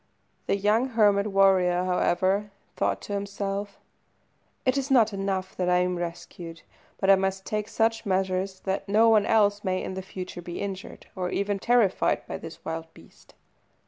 The young hermit warrior, however, thought to himself "It is not enough that I am rescued, but I must take such measures that no one else may in future be injured, or even terrified by this wild beast."